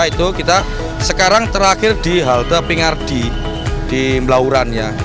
itu kita sekarang terakhir di halte pingardi di melaurannya